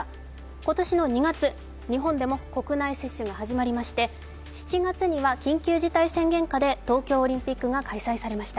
今年の２月、日本でも国内接種が始まりまして、７月には緊急事態宣言下で東京オリンピックが開催されました。